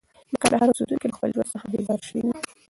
د کندهار اوسېدونکي له خپل ژوند څخه بېزاره شوي وو.